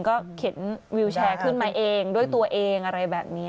ก็เข็นวิวแชร์ขึ้นมาเองด้วยตัวเองอะไรแบบนี้